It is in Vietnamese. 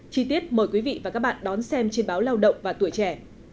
chi tiết mời quý vị và các bạn đón xem trên báo lao động và tuổi trẻ